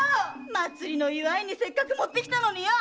祭りの祝いにせっかく持ってきたのによ！